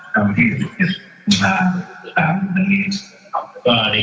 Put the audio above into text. ทำที่ถูกสุดทางกันก็ในท่วมนี้